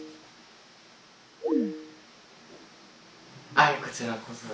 はいこちらこそ。